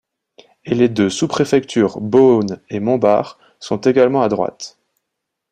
Et les deux sous-préfectures, Beaune et Montbard, sont également à droite.